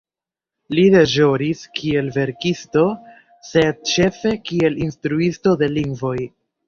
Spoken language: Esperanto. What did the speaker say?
Li deĵoris kiel verkisto sed ĉefe kiel instruisto de lingvoj.